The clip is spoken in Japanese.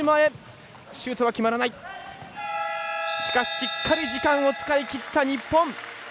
しっかり時間を使い切った日本。